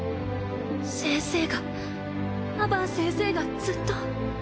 先生がアバン先生がずっと。